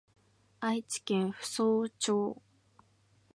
愛知県扶桑町